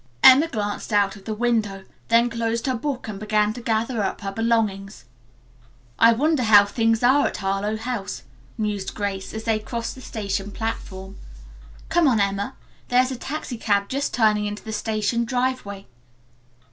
Emma glanced out of the window, then closed her book and began to gather up her belongings. "I wonder how things are at Harlowe House," mused Grace, as they crossed the station platform. "Come on, Emma. There's a taxicab just turning into the station driveway."